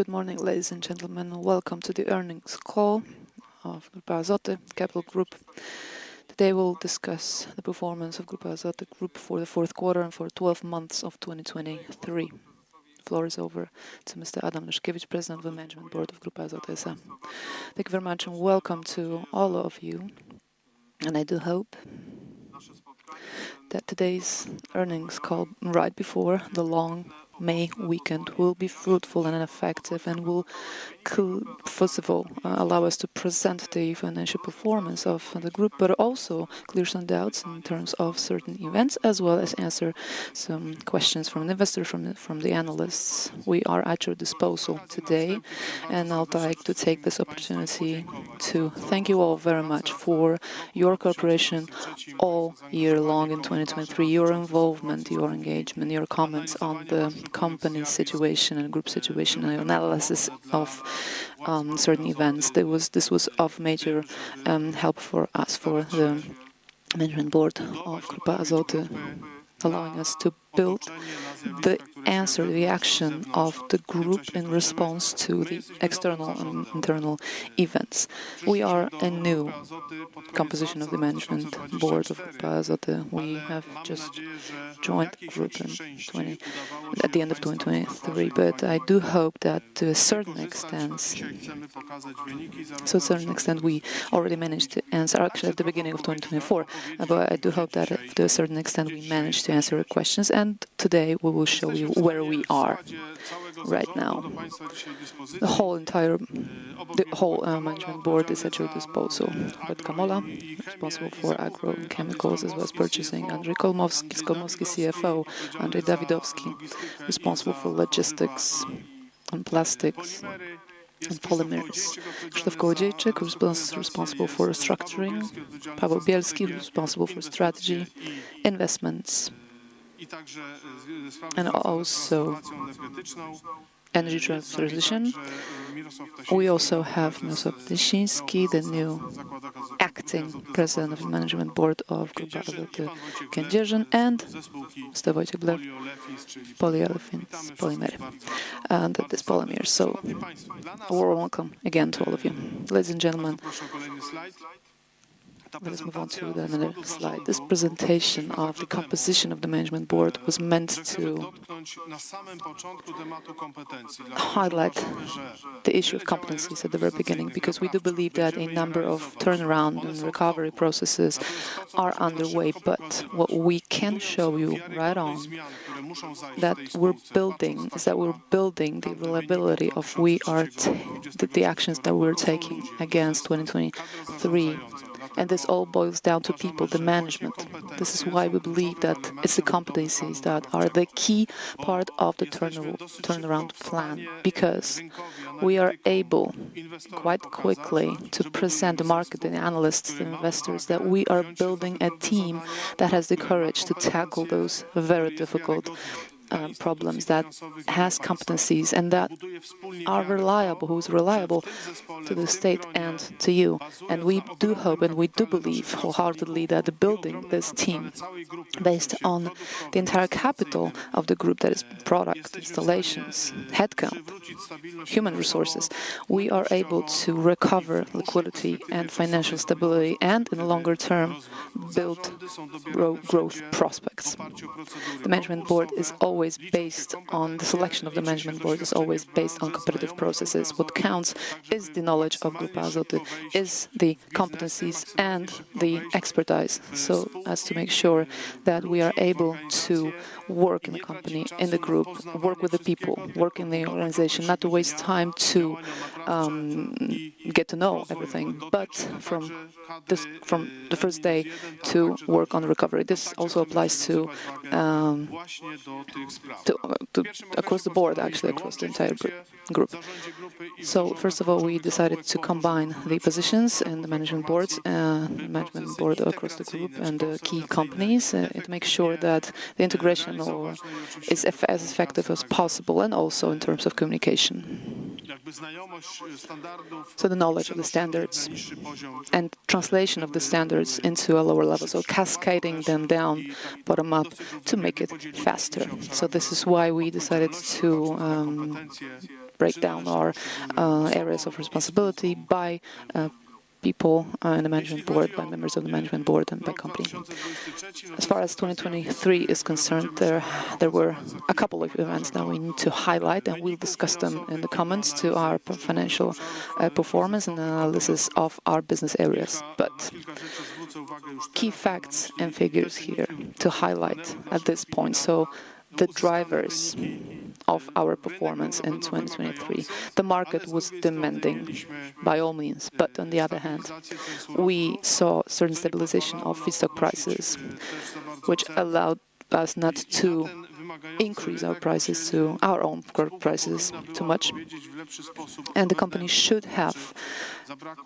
Good morning, ladies and gentlemen. Welcome to the Earnings Call of Grupa Azoty Capital Group. Today, we'll discuss the performance of Grupa Azoty Group for the fourth quarter and for 12 months of 2023. Floor is over to Mr. Adam Leszkiewicz, President of the Management Board of Grupa Azoty S.A. Thank you very much, and welcome to all of you. I do hope that today's earnings call, right before the long May weekend, will be fruitful and effective, and will, first of all, allow us to present the financial performance of the group, but also clear some doubts in terms of certain events, as well as answer some questions from the investors, from the, from the analysts. We are at your disposal today, and I would like to take this opportunity to thank you all very much for your cooperation all year long in 2023. Your involvement, your engagement, your comments on the company situation and group situation, and your analysis of certain events, this was, this was of major help for us, for the management board of Grupa Azoty, allowing us to build the answer, the action of the group in response to the external and internal events. We are a new composition of the management board of Grupa Azoty. We have just joined Group at the end of 2023, but I do hope that to a certain extent, to a certain extent, we already managed to answer, actually, at the beginning of 2024. But I do hope that to a certain extent, we managed to answer your questions, and today we will show you where we are right now. The whole management board is at your disposal. Hubert Kamola, responsible for agro and chemicals, as well as purchasing. Andrzej Skolmowski, Skolmowski, CFO. Andrzej Dawidowski, responsible for logistics and plastics and polymers. Krzysztof Kołodziejczyk, responsible, responsible for restructuring. Paweł Bielski, responsible for strategy, investments, and also energy transition. We also have Mirosław Ptasiński, the new acting President of the Management Board of Grupa Azoty Kędzierzyn, and Mr. Wojciech Blew, polyolefins, polymers, that is polymers. A warm welcome again to all of you. Ladies and gentlemen, let us move on to another slide. This presentation of the composition of the management board was meant to highlight the issue of competencies at the very beginning, because we do believe that a number of turnaround and recovery processes are underway. But what we can show you right on, that we're building, is that we're building the reliability of the actions that we're taking against 2023, and this all boils down to people, the management. This is why we believe that it's the competencies that are the key part of the turnaround plan, because we are able, quite quickly, to present the market, the analysts, the investors, that we are building a team that has the courage to tackle those very difficult problems, that has competencies and that are reliable, who's reliable to the state and to you. And we do hope, and we do believe wholeheartedly, that building this team based on the entire capital of the group, that is product, installations, headcount, human resources, we are able to recover liquidity and financial stability, and in the longer term, build growth prospects. The management board is always based on. The selection of the management board is always based on competitive processes. What counts is the knowledge of Grupa Azoty, the competencies and the expertise, so as to make sure that we are able to work in the company, in the group, work with the people, work in the organization, not to waste time to get to know everything, but from the first day to work on the recovery. This also applies to across the board, actually, across the entire group. So first of all, we decided to combine the positions in the management boards across the group and the key companies, to make sure that the integration is as effective as possible, and also in terms of communication. So the knowledge of the standards and translation of the standards into a lower level, so cascading them down, bottom up, to make it faster. So this is why we decided to break down our areas of responsibility by people in the management board, by members of the management board and the company. As far as 2023 is concerned, there were a couple of events that we need to highlight, and we'll discuss them in the comments to our financial performance and analysis of our business areas. But key facts and figures here to highlight at this point, so the drivers of our performance in 2023. The market was demanding by all means, but on the other hand, we saw certain stabilization of feedstock prices, which allowed us not to increase our prices to our own group prices too much, and the company should have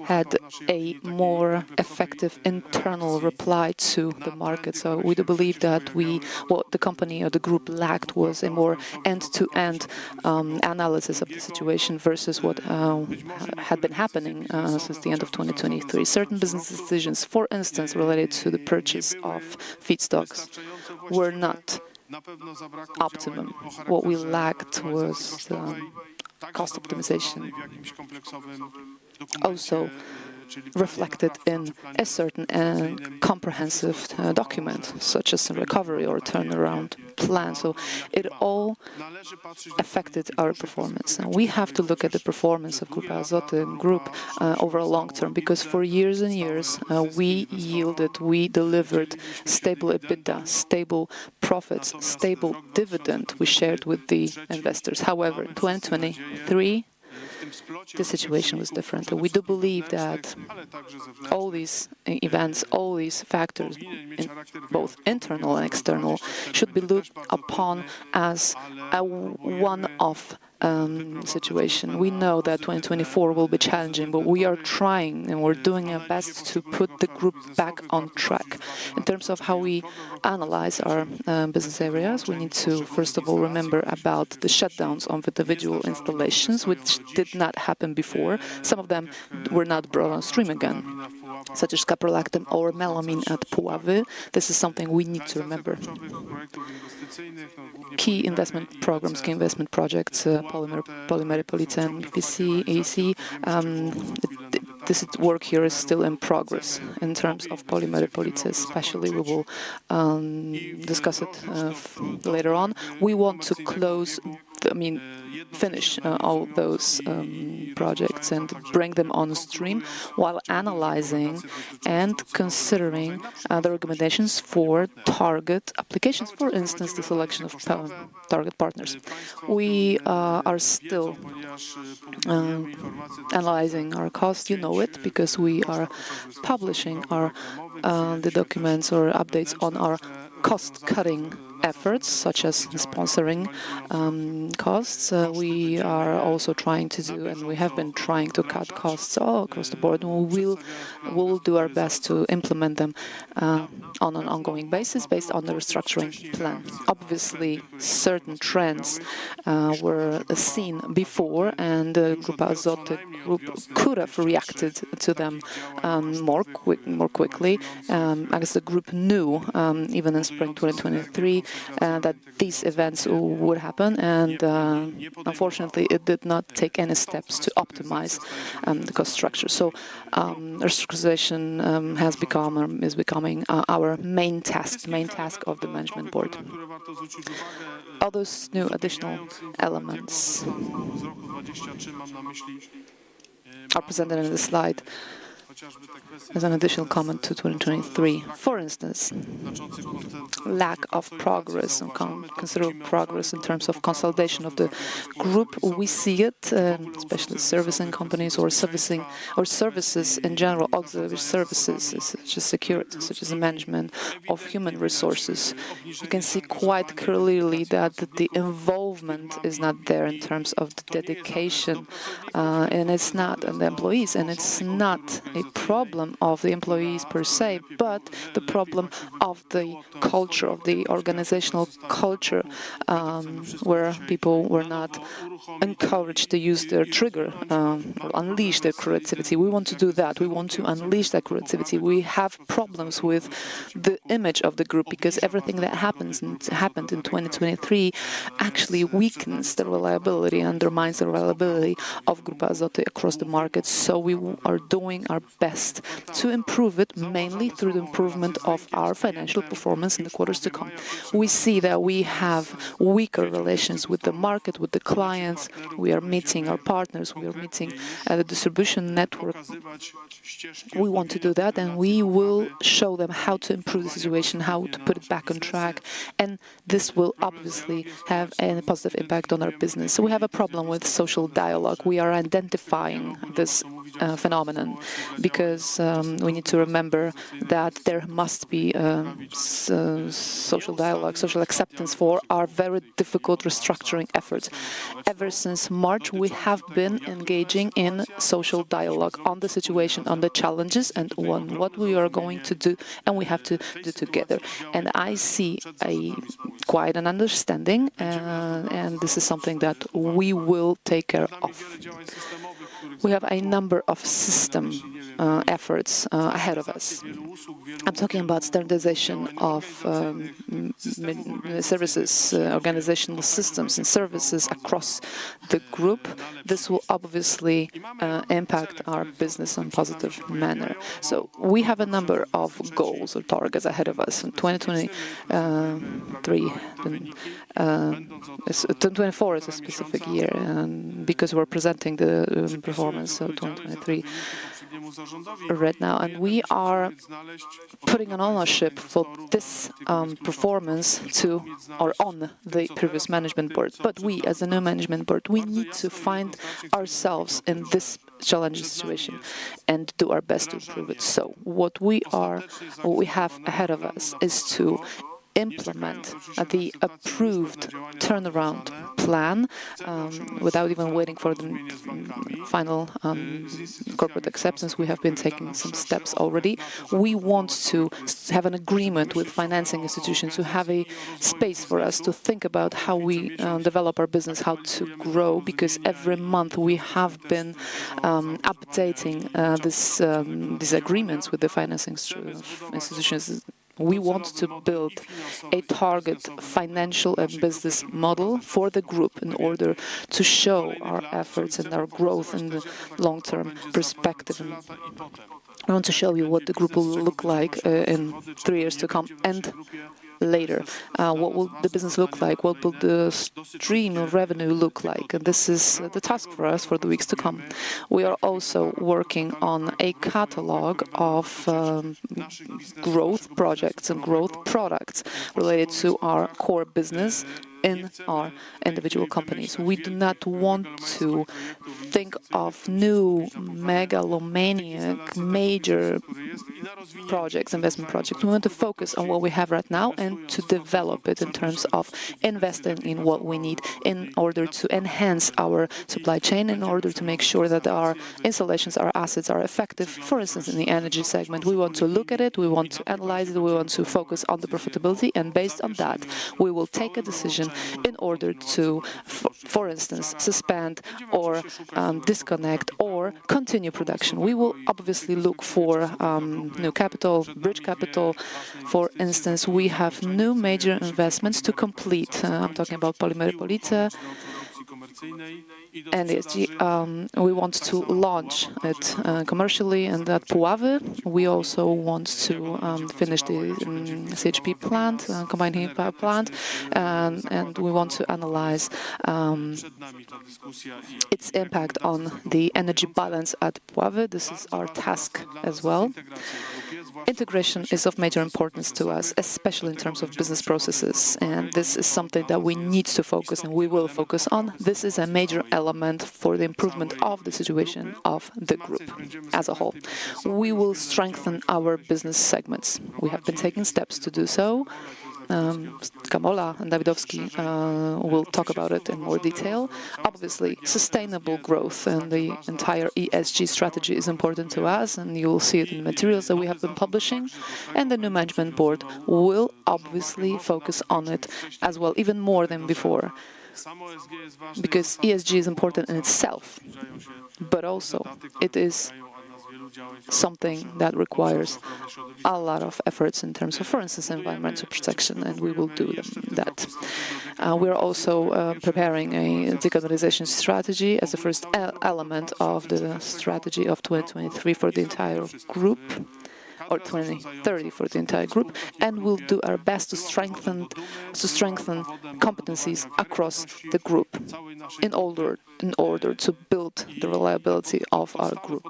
had a more effective internal reply to the market. So we do believe that we, what the company or the group lacked, was a more end-to-end analysis of the situation versus what had been happening since the end of 2023. Certain business decisions, for instance, related to the purchase of feedstocks, were not optimum. What we lacked was cost optimization, also reflected in a certain comprehensive document, such as a recovery or a turnaround plan. So it all affected our performance, and we have to look at the performance of Grupa Azoty group over a long term, because for years and years, we yielded, we delivered stable EBITDA, stable profits, stable dividend we shared with the investors. However, in 2023, the situation was different. We do believe that all these events, all these factors, both internal and external, should be looked upon as a one-off situation. We know that 2024 will be challenging, but we are trying, and we're doing our best to put the group back on track. In terms of how we analyze our business areas, we need to, first of all, remember about the shutdowns of individual installations, which did not happen before. Some of them were not brought on stream again, such as caprolactam or melamine at Puławy. This is something we need to remember. Key investment programs, key investment projects, polymer, Polimery Police and PC, AC, this work here is still in progress. In terms of Polimery Police especially, we will discuss it later on. We want to close, I mean, finish all those projects and bring them on stream while analyzing and considering the recommendations for target applications, for instance, the selection of target partners. We are still analyzing our costs. You know it because we are publishing our the documents or updates on our cost-cutting efforts, such as the sponsoring costs. We are also trying to do, and we have been trying to cut costs all across the board, and we'll do our best to implement them on an ongoing basis, based on the restructuring plan. Obviously, certain trends were seen before, and the Grupa Azoty group could have reacted to them more quick, more quickly. I guess the group knew even in spring 2023 that these events would happen, and unfortunately, it did not take any steps to optimize the cost structure. So, restructuring has become or is becoming our, our main task, main task of the management board. All those new additional elements are presented in the slide as an additional comment to 2023. For instance, lack of progress and considerable progress in terms of consolidation of the group. We see it especially servicing companies or servicing or services in general, auxiliary services, such as security, such as the management of human resources. You can see quite clearly that the involvement is not there in terms of the dedication, and it's not on the employees, and it's not a problem of the employees per se, but the problem of the culture, of the organizational culture, where people were not encouraged to use their trigger, unleash their creativity. We want to do that. We want to unleash their creativity. We have problems with the image of the group, because everything that happens and happened in 2023 actually weakens the reliability and undermines the reliability of Grupa Azoty across the market. So we are doing our best to improve it, mainly through the improvement of our financial performance in the quarters to come. We see that we have weaker relations with the market, with the clients. We are meeting our partners, we are meeting, the distribution network. We want to do that, and we will show them how to improve the situation, how to put it back on track, and this will obviously have a positive impact on our business. We have a problem with social dialogue. We are identifying this phenomenon because we need to remember that there must be so social dialogue, social acceptance for our very difficult restructuring efforts. Ever since March, we have been engaging in social dialogue on the situation, on the challenges, and on what we are going to do and we have to do together. I see a quite an understanding, and this is something that we will take care of. We have a number of system efforts ahead of us. I'm talking about standardization of services, organizational systems and services across the group. This will obviously impact our business in a positive manner. So we have a number of goals or targets ahead of us in 2023. 2024 is a specific year, and because we're presenting the performance of 2023 right now, and we are putting an ownership for this performance to or on the previous management board. But we, as a new management board, we need to find ourselves in this challenging situation and do our best to improve it. So what we are, what we have ahead of us, is to implement the approved turnaround plan without even waiting for the final corporate acceptance. We have been taking some steps already. We want to have an agreement with financing institutions, to have a space for us to think about how we develop our business, how to grow, because every month we have been updating these agreements with the financing institutions. We want to build a target financial and business model for the group in order to show our efforts and our growth in the long-term perspective. I want to show you what the group will look like in three years to come and later. What will the business look like? What will the stream of revenue look like? And this is the task for us for the weeks to come. We are also working on a catalog of growth projects and growth products related to our core business in our individual companies. We do not want to think of new megalomaniac major projects, investment projects. We want to focus on what we have right now and to develop it in terms of investing in what we need in order to enhance our supply chain, in order to make sure that our installations, our assets are effective. For instance, in the energy segment, we want to look at it, we want to analyze it, we want to focus on the profitability, and based on that, we will take a decision in order to, for instance, suspend or, disconnect or continue production. We will obviously look for, new capital, bridge capital. For instance, we have new major investments to complete. I'm talking about Polimery Police, and, yes, the. We want to launch it commercially, and at Puławy, we also want to finish the CHP plant, combined heat and power plant. We want to analyze its impact on the energy balance at Puławy. This is our task as well. Integration is of major importance to us, especially in terms of business processes, and this is something that we need to focus and we will focus on. This is a major element for the improvement of the situation of the group as a whole. We will strengthen our business segments. We have been taking steps to do so. Kamola and Dawidowski will talk about it in more detail. Obviously, sustainable growth and the entire ESG strategy is important to us, and you will see it in the materials that we have been publishing, and the new management board will obviously focus on it as well, even more than before. Because ESG is important in itself, but also it is something that requires a lot of efforts in terms of, for instance, environmental protection, and we will do that. We are also preparing a decarbonization strategy as a first element of the strategy of 2023 for the entire group, or 2030 for the entire group, and we'll do our best to strengthen competencies across the group in order to build the reliability of our group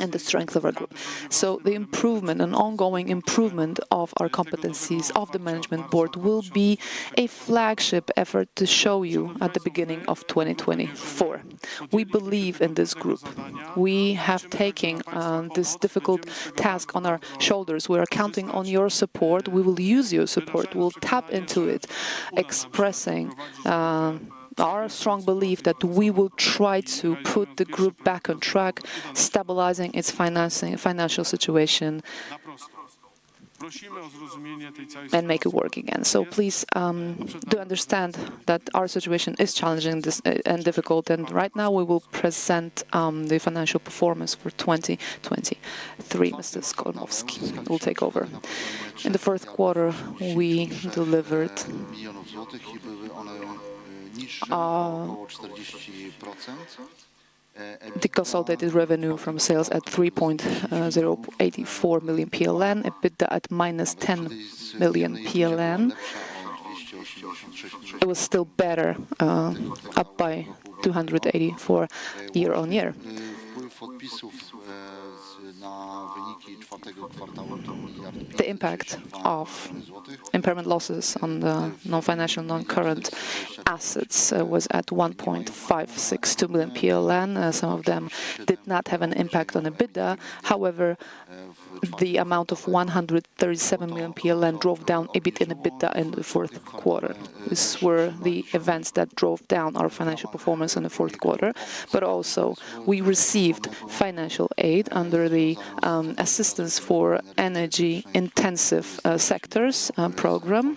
and the strength of our group. So the improvement and ongoing improvement of our competencies of the management board will be a flagship effort to show you at the beginning of 2024. We believe in this group. We have taken this difficult task on our shoulders. We are counting on your support. We will use your support. We'll tap into it, expressing our strong belief that we will try to put the group back on track, stabilizing its financing, financial situation, and make it work again. So please do understand that our situation is challenging this and difficult, and right now, we will present the financial performance for 2023. Mr. Skolmowski will take over. In the first quarter, we delivered the consolidated revenue from sales at 3,084 million PLN, EBITDA at -10 million PLN. It was still better, up by 284 year-on-year. The impact of impairment losses on the non-financial, non-current assets, was at 1.562 million PLN. Some of them did not have an impact on the EBITDA. However, the amount of 137 million PLN drove down a bit in EBITDA in the fourth quarter. These were the events that drove down our financial performance in the fourth quarter. But also, we received financial aid under the Assistance for Energy-Intensive Sectors Program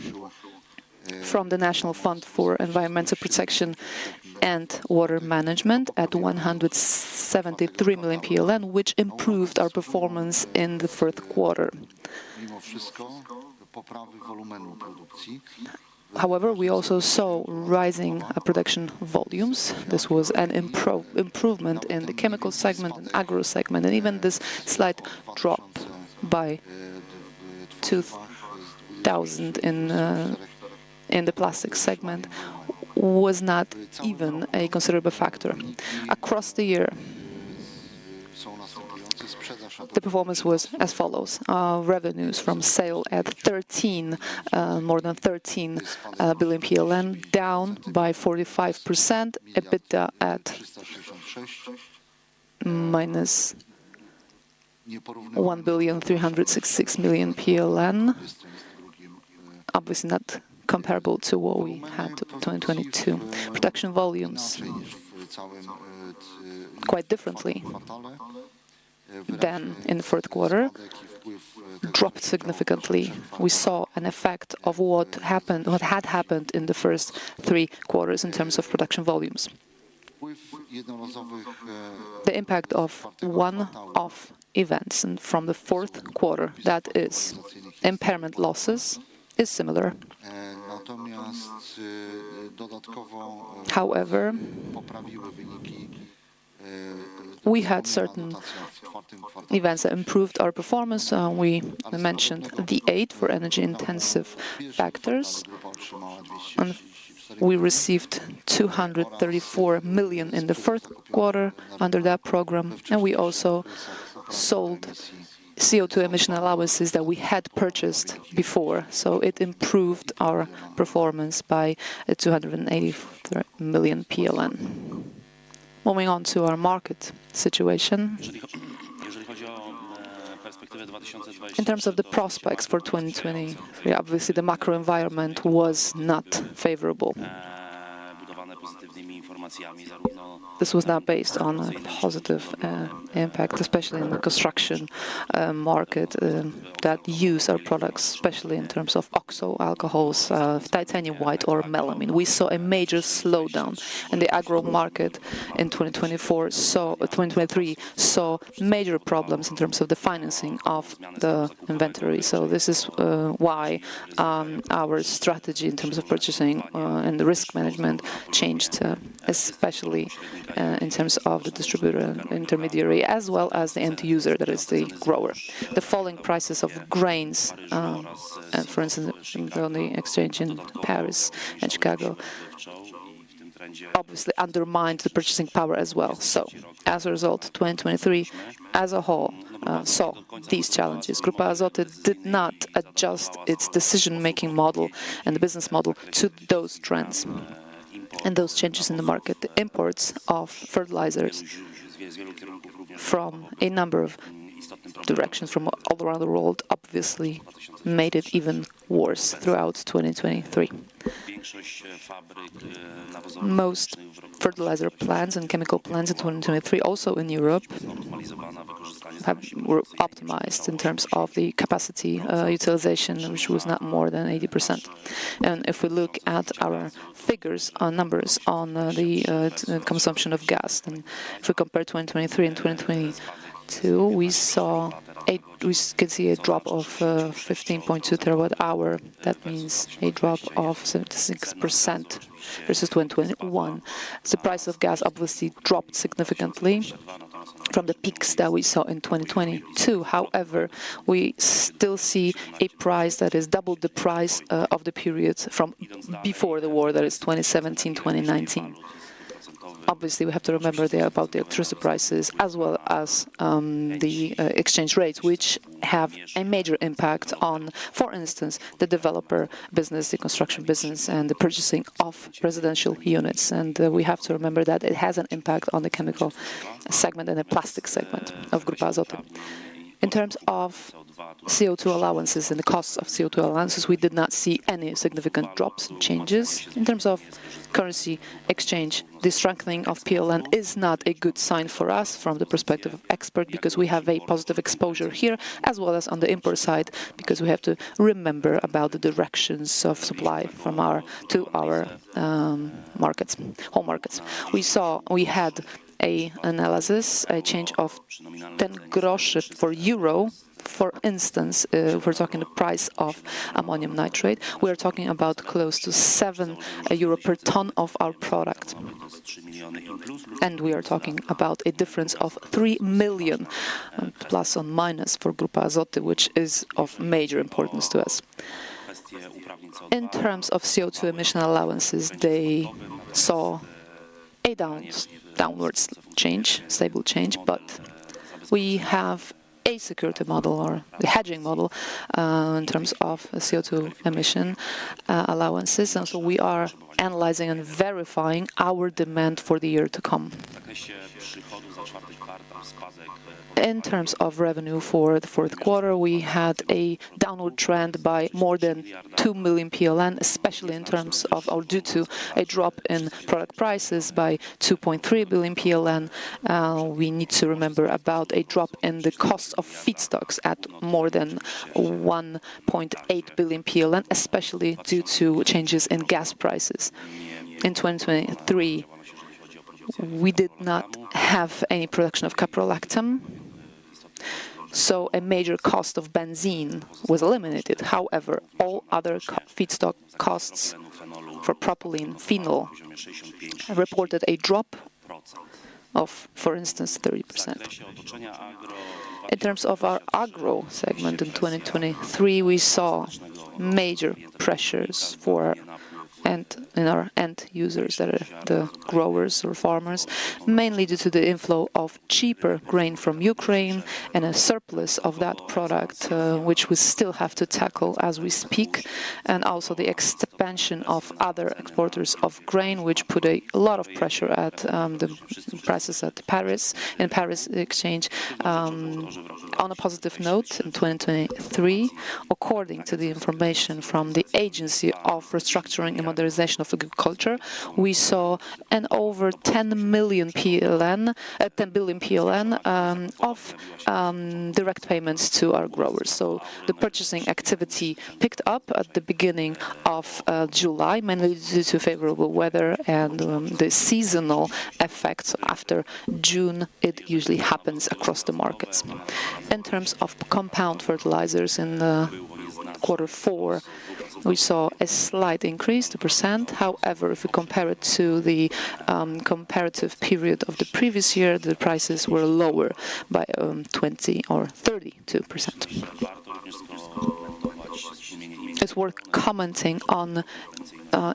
from the National Fund for Environmental Protection and Water Management at 173 million PLN, which improved our performance in the third quarter. However, we also saw rising production volumes. This was an improvement in the chemical segment, agro segment, and even this slight drop by 2,000 in the plastic segment was not even a considerable factor. Across the year, the performance was as follows: revenues from sale at more than 13 billion PLN, down by 45%, EBITDA at -1,366 million PLN. Obviously not comparable to what we had in 2022. Production volumes, quite differently than in the fourth quarter, dropped significantly. We saw an effect of what happened, what had happened in the first three quarters in terms of production volumes. The impact of one-off events and from the fourth quarter, that is impairment losses, is similar. However, we had certain events that improved our performance. We mentioned the aid for energy-intensive factors, and we received 234 million in the first quarter under that program, and we also sold CO2 emission allowances that we had purchased before, so it improved our performance by 283 million PLN. Moving on to our market situation, in terms of the prospects for 2020, yeah, obviously, the macro environment was not favorable. This was not based on a positive impact, especially in the construction market that use our products, especially in terms of oxo alcohols, titanium white or melamine. We saw a major slowdown in the agro market in 2024, so 2023 saw major problems in terms of the financing of the inventory. So this is why our strategy in terms of purchasing and the risk management changed, especially in terms of the distributor intermediary, as well as the end user, that is the grower. The falling prices of grains and, for instance, on the exchange in Paris and Chicago, obviously undermined the purchasing power as well. So as a result, 2023 as a whole saw these challenges. Grupa Azoty did not adjust its decision-making model and the business model to those trends and those changes in the market. The imports of fertilizers from a number of directions from all around the world obviously made it even worse throughout 2023. Most fertilizer plants and chemical plants in 2023, also in Europe, were optimized in terms of the capacity utilization, which was not more than 80%. If we look at our figures, our numbers on the consumption of gas, and if we compare 2023 and 2022, we saw a drop of 15.2 TWh. That means a drop of 76% versus 2021. The price of gas obviously dropped significantly from the peaks that we saw in 2022. However, we still see a price that is double the price of the periods from before the war, that is 2017, 2019. Obviously, we have to remember there about the electricity prices as well as the exchange rates, which have a major impact on, for instance, the developer business, the construction business, and the purchasing of residential units. And, we have to remember that it has an impact on the chemical segment and the plastic segment of Grupa Azoty. In terms of CO2 allowances and the costs of CO2 allowances, we did not see any significant drops or changes. In terms of currency exchange, the strengthening of PLN is not a good sign for us from the perspective of exports, because we have a positive exposure here, as well as on the import side, because we have to remember about the directions of supply from our to our markets, home markets. We had a analysis, a change of 10 groszy per euro. For instance, we're talking the price of ammonium nitrate. We are talking about close to 7 euro per ton of our product, and we are talking about a difference of ±3 million for Grupa Azoty, which is of major importance to us. In terms of CO2 emission allowances, they saw a downwards change, stable change, but we have a security model or the hedging model, in terms of CO2 emission, allowances. And so we are analyzing and verifying our demand for the year to come. In terms of revenue for the fourth quarter, we had a downward trend by more than 2 million PLN especially in terms of, or due to a drop in product prices by 2.3 billion PLN. We need to remember about a drop in the cost of feedstocks at more than 1.8 billion PLN, especially due to changes in gas prices. In 2023, we did not have any production of caprolactam, so a major cost of benzene was eliminated. However, all other feedstock costs for propylene, phenol reported a drop of, for instance, 30%. In terms of our agro segment, in 2023, we saw major pressures for our end users that are the growers or farmers, mainly due to the inflow of cheaper grain from Ukraine and a surplus of that product, which we still have to tackle as we speak, and also the expansion of other exporters of grain, which put a lot of pressure at the prices at Paris, in Paris Exchange. On a positive note, in 2023, according to the information from the Agency of Restructuring and Modernization of Agriculture, we saw over 10 million PLN, 10 billion PLN of direct payments to our growers. So the purchasing activity picked up at the beginning of July, mainly due to favorable weather and the seasonal effects after June. It usually happens across the markets. In terms of compound fertilizers in quarter four, we saw a slight increase, 2%. However, if we compare it to the comparative period of the previous year, the prices were lower by 20 or 32%. It's worth commenting on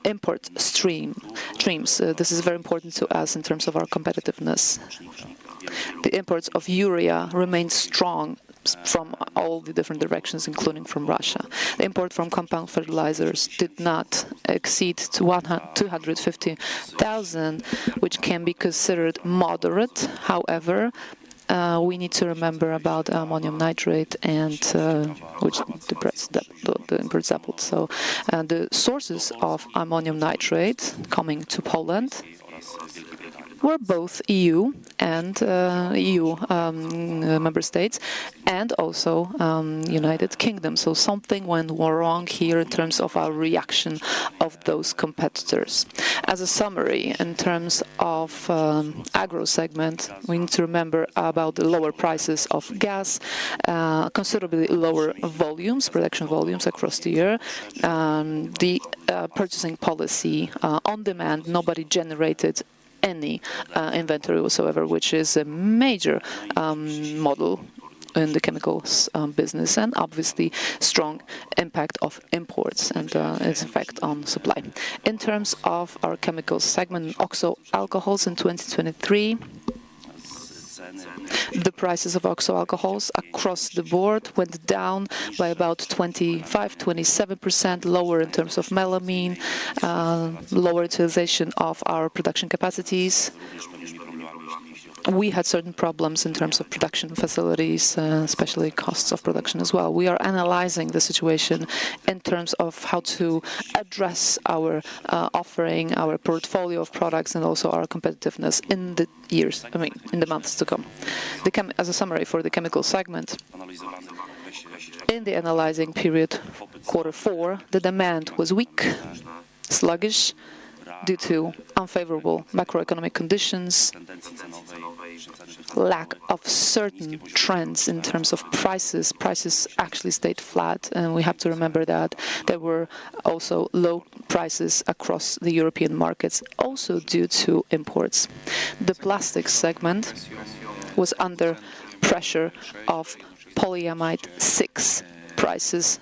import streams. This is very important to us in terms of our competitiveness. The imports of urea remain strong from all the different directions, including from Russia. The import from compound fertilizers did not exceed 250,000, which can be considered moderate. However, we need to remember about ammonium nitrate and which depresses the import sample. So, the sources of ammonium nitrate coming to Poland were both EU and EU member states, and also United Kingdom. So something went wrong here in terms of our reaction of those competitors. As a summary, in terms of agro segment, we need to remember about the lower prices of gas, considerably lower volumes, production volumes across the year, the purchasing policy on demand, nobody generated any inventory whatsoever, which is a major model in the chemicals business, and obviously, strong impact of imports and its effect on supply. In terms of our chemical segment, oxo alcohols in 2023, the prices of oxo alcohols across the board went down by about 25%-27%, lower in terms of melamine, lower utilization of our production capacities. We had certain problems in terms of production facilities, and especially costs of production as well. We are analyzing the situation in terms of how to address our offering, our portfolio of products, and also our competitiveness in the years, I mean, in the months to come. As a summary for the chemical segment, in the analyzing period, quarter four, the demand was weak, sluggish, due to unfavorable macroeconomic conditions, lack of certain trends in terms of prices. Prices actually stayed flat, and we have to remember that there were also low prices across the European markets, also due to imports. The plastics segment was under pressure of polyamide six prices,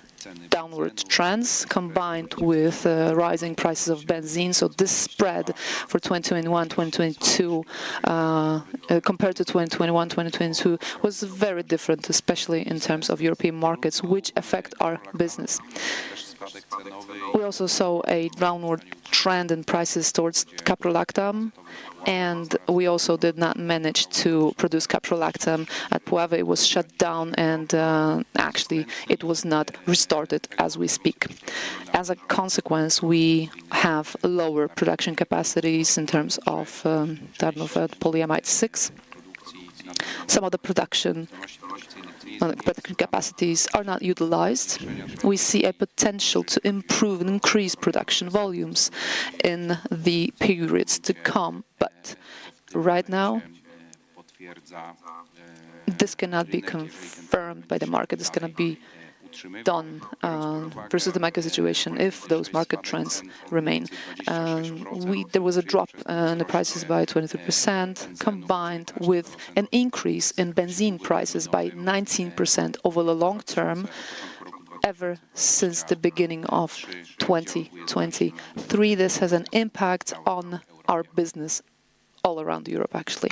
downward trends, combined with rising prices of benzene. So this spread for 2021, 2022, compared to 2021, 2022, was very different, especially in terms of European markets, which affect our business. We also saw a downward trend in prices towards caprolactam, and we also did not manage to produce caprolactam at Puławy. It was shut down and, actually, it was not restarted as we speak. As a consequence, we have lower production capacities in terms of, term of polyamide six. Some of the production, production capacities are not utilized. We see a potential to improve and increase production volumes in the periods to come. But right now, this cannot be confirmed by the market. This cannot be done, versus the micro situation if those market trends remain. We. There was a drop in the prices by 23%, combined with an increase in benzene prices by 19% over the long term, ever since the beginning of 2023. This has an impact on our business all around Europe, actually.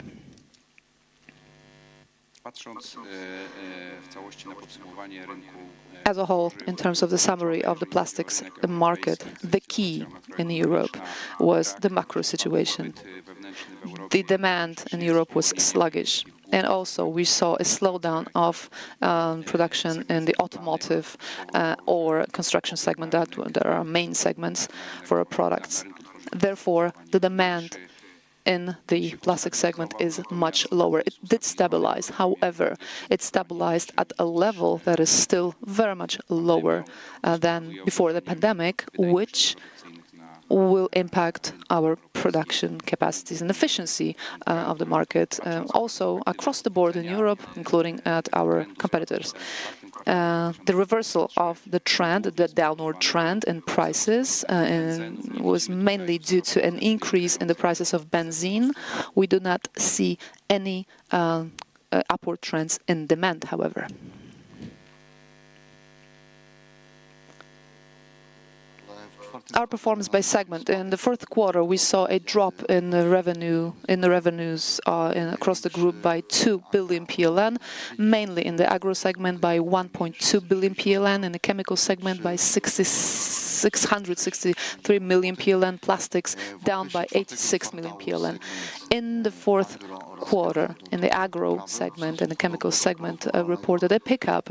As a whole, in terms of the summary of the plastics market, the key in Europe was the macro situation. The demand in Europe was sluggish, and also we saw a slowdown of production in the automotive or construction segment, that there are main segments for our products. Therefore, the demand in the plastic segment is much lower. It did stabilize, however, it stabilized at a level that is still very much lower than before the pandemic, which will impact our production capacities and efficiency of the market also across the board in Europe, including at our competitors. The reversal of the trend, the downward trend in prices, was mainly due to an increase in the prices of benzene. We do not see any upward trends in demand, however. Our performance by segment. In the fourth quarter, we saw a drop in the revenue, in the revenues, in across the group by 2 billion PLN, mainly in the agro segment by 1.2 billion PLN, in the chemical segment by 6,663 million PLN, plastics down by 86 million PLN. In the fourth quarter, in the agro segment and the chemical segment, reported a pickup,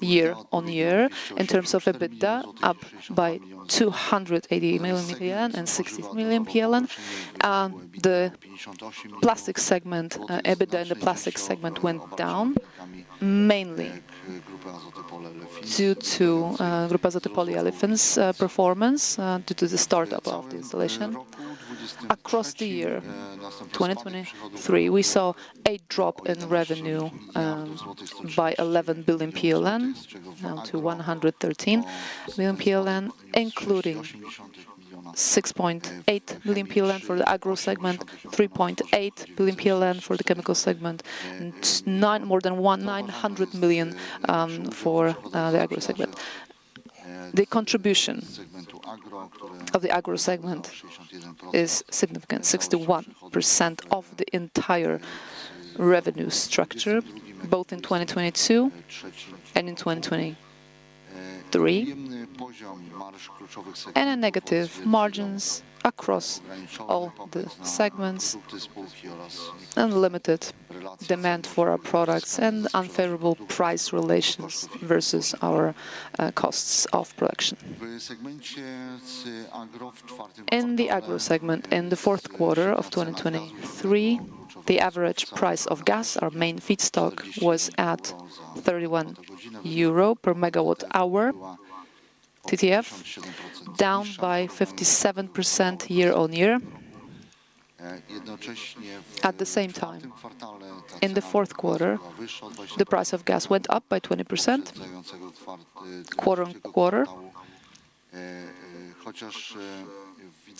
year-on-year in terms of EBITDA, up by 280 million PLN and 60 million PLN. The plastics segment, EBITDA in the plastics segment went down, mainly due to Grupa Azoty Polyolefins' performance due to the startup of the installation. Across the year, 2023, we saw a drop in revenue by 11 billion PLN, down to 113 million PLN, including 6.8 million PLN for the agro segment, 3.8 billion PLN for the chemical segment, and more than 1,900 million for the agro segment. The contribution of the agro segment is significant, 61% of the entire revenue structure, both in 2022 and in 2023. And negative margins across all the segments, unlimited demand for our products, and unfavorable price relations versus our costs of production. In the agro segment, in the fourth quarter of 2023, the average price of gas, our main feedstock, was at 31 euro per MWh, TTF, down by 57% year-on-year. At the same time, in the fourth quarter, the price of gas went up by 20% quarter-on-quarter.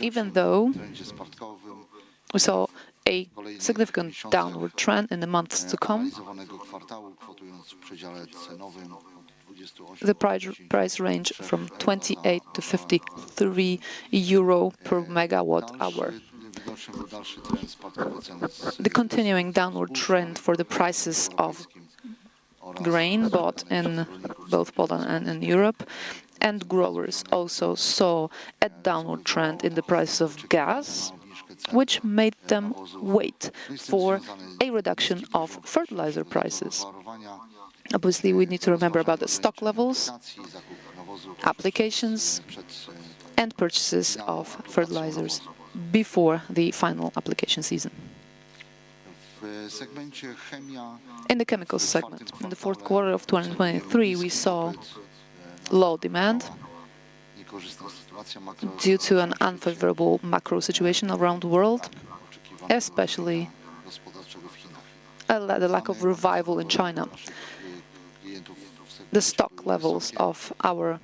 Even though we saw a significant downward trend in the months to come, the price, price range from 28 to 53 euro per MWh. The continuing downward trend for the prices of grain, both in both Poland and in Europe, and growers also saw a downward trend in the price of gas, which made them wait for a reduction of fertilizer prices. Obviously, we need to remember about the stock levels, applications, and purchases of fertilizers before the final application season. In the chemical segment, in the fourth quarter of 2023, we saw low demand due to an unfavorable macro situation around the world, especially the lack of revival in China. The stock levels of our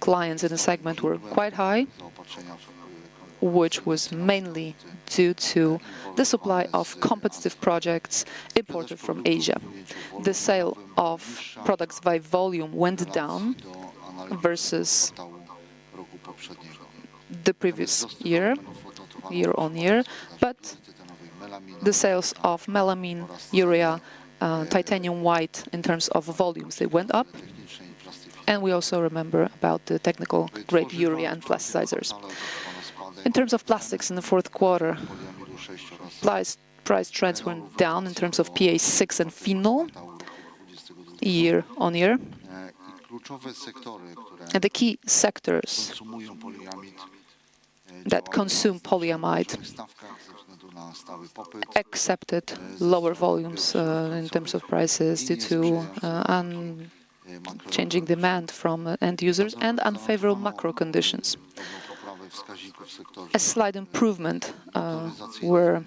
clients in the segment were quite high, which was mainly due to the supply of competitive projects imported from Asia. The sale of products by volume went down versus the previous year, year-over-year, but the sales of melamine, urea, titanium white in terms of volumes, they went up, and we also remember about the technical-grade urea and plasticizers. In terms of plastics in the fourth quarter, price trends went down in terms of PA6 and phenol, year-over-year. And the key sectors that consume polyamide accepted lower volumes, in terms of prices, due to, changing demand from end users and unfavorable macro conditions. A slight improvement was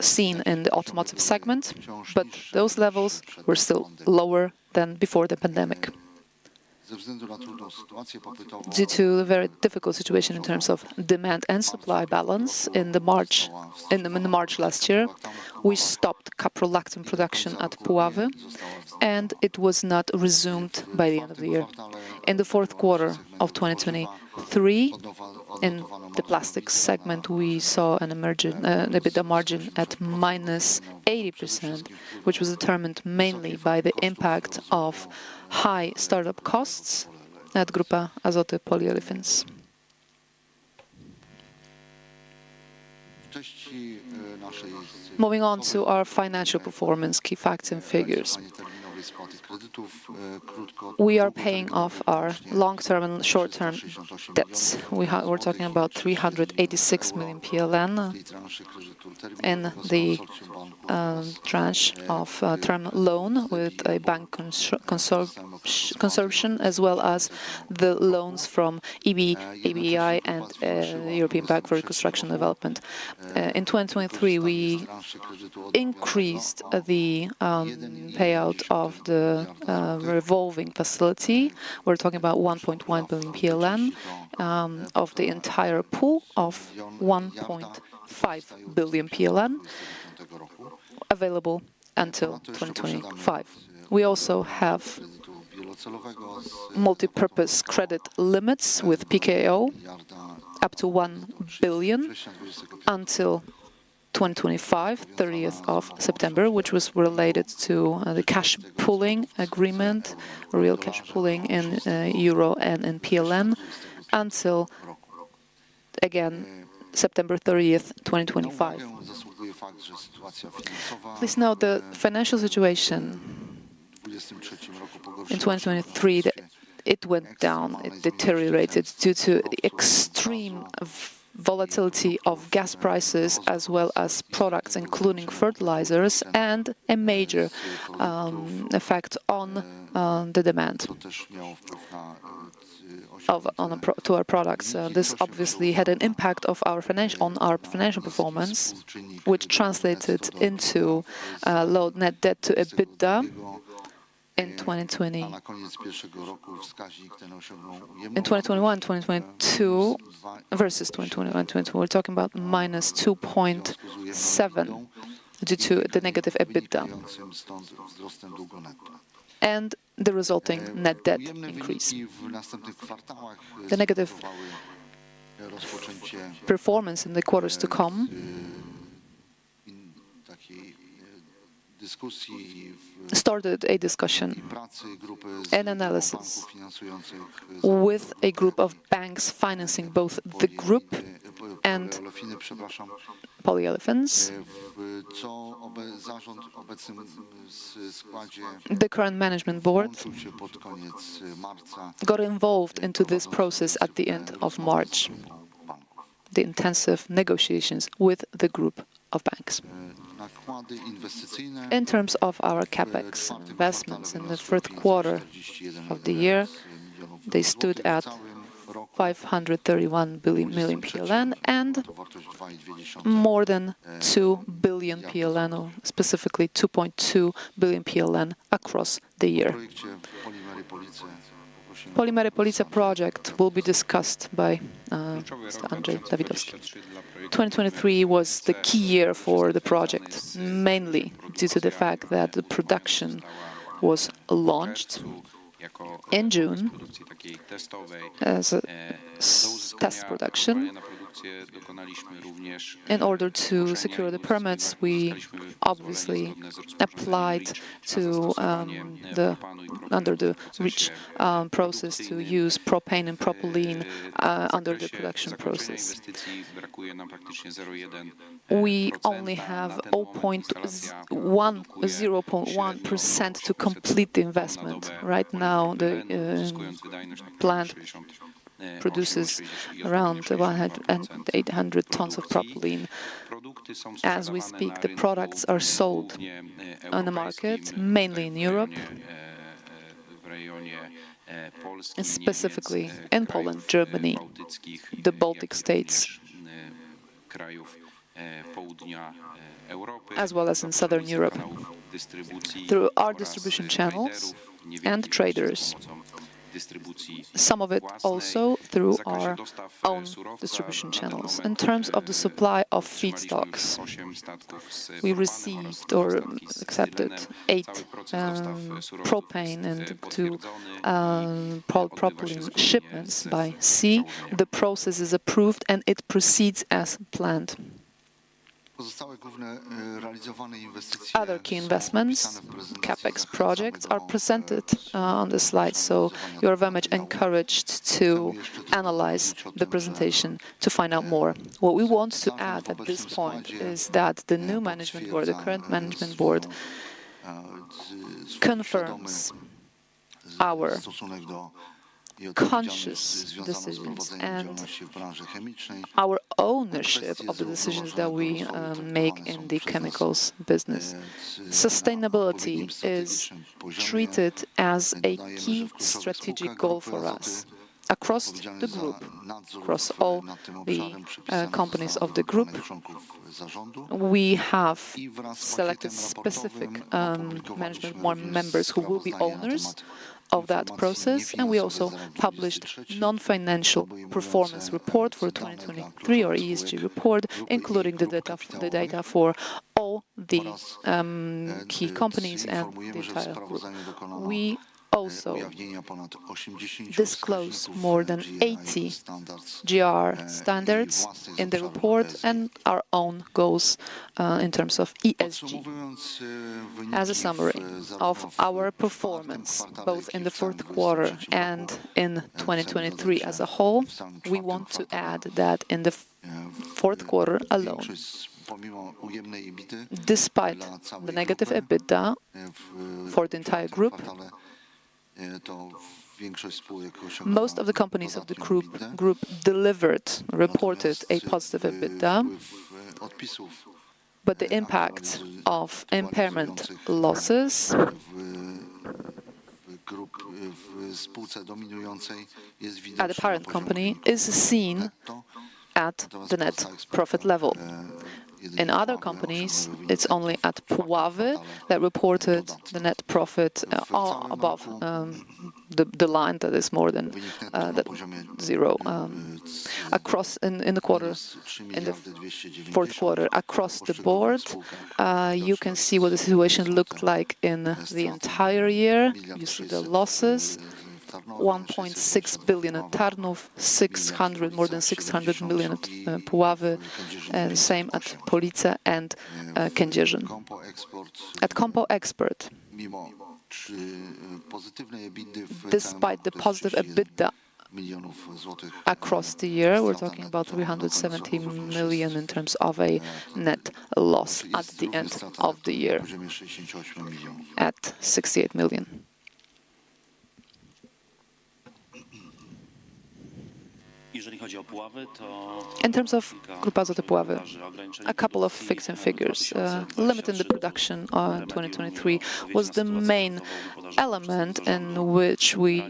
seen in the automotive segment, but those levels were still lower than before the pandemic. Due to a very difficult situation in terms of demand and supply balance in the March last year, we stopped caprolactam production at Puławy, and it was not resumed by the end of the year. In the fourth quarter of 2023, in the plastics segment, we saw an emerging EBITDA margin at -80%, which was determined mainly by the impact of high startup costs at Grupa Azoty Polyolefins. Moving on to our financial performance, key facts and figures. We are paying off our long-term and short-term debts. We're talking about 386 million PLN in the tranche of term loan with a bank consortium, as well as the loans from EIB and European Bank for Reconstruction and Development. In 2023, we increased the payout of the revolving facility. We're talking about 1.1 billion PLN of the entire pool of 1.5 billion PLN available until 2025. We also have multipurpose credit limits with PKO, up to 1 billion until September 30, 2025, which was related to the cash pooling agreement, real cash pooling in euro and in PLN, until, again, September 30, 2025. Please note the financial situation in 2023, it went down. It deteriorated due to extreme volatility of gas prices, as well as products, including fertilizers, and a major effect on the demand of, on, to our products. This obviously had an impact on our financial performance, which translated into low net debt to EBITDA in 2020. In 2021, 2022, versus 2020 and 2022, we're talking about -2.7 due to the negative EBITDA, and the resulting net debt increase. The negative performance in the quarters to come started a discussion and analysis with a group of banks financing both the group and polyolefins. The current management board got involved into this process at the end of March, the intensive negotiations with the group of banks. In terms of our CapEx investments in the third quarter of the year, they stood at 531 million PLN, and more than 2 billion PLN, or specifically 2.2 billion PLN across the year. Polimery Police project will be discussed by Andrzej Dawidowski. 2023 was the key year for the project, mainly due to the fact that the production was launched in June as a test production. In order to secure the permits, we obviously applied under the REACH process to use propane and propylene under the production process. We only have 0.1% to complete the investment. Right now, the plant produces around 1,800 tons of propylene. As we speak, the products are sold on the market, mainly in Europe, specifically in Poland, Germany, the Baltic States, as well as in Southern Europe, through our distribution channels and traders. Some of it also through our own distribution channels. In terms of the supply of feedstocks, we received or accepted 8 propane and 2 propylene shipments by sea. The process is approved, and it proceeds as planned. Other key investments, CapEx projects, are presented on the slide, so you're very much encouraged to analyze the presentation to find out more. What we want to add at this point is that the new management board, the current management board, confirms our conscious decisions and our ownership of the decisions that we make in the chemicals business. Sustainability is treated as a key strategic goal for us across the group, across all the companies of the group. We have selected specific management board members who will be owners of that process, and we also published non-financial performance report for 2023, our ESG report, including the data, the data for all the key companies and the entire group. We also disclose more than 80 GRI Standards in the report and our own goals in terms of ESG. As a summary of our performance, both in the fourth quarter and in 2023 as a whole, we want to add that in the fourth quarter alone, despite the negative EBITDA for the entire group, most of the companies of the group reported a positive EBITDA. But the impact of impairment losses at the parent company is seen at the net profit level. In other companies, it's only at Puławy that reported the net profit above the line that is more than the zero across the board. In the fourth quarter across the board. You can see what the situation looked like in the entire year. You see the losses, 1.6 billion at Tarnów, more than 600 million at Puławy, same at Police and Kędzierzyn. At COMPO EXPERT, despite the positive EBITDA across the year, we're talking about 370 million in terms of a net loss at the end of the year, at 68 million. In terms of Grupa Azoty Puławy, a couple of facts and figures. Limiting the production in 2023 was the main element in which we